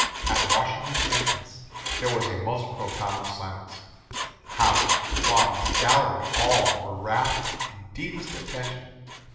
"At Washington's entrance there was a most profound silence. House, lobbies, gallery, all were wrapped in deepest attention.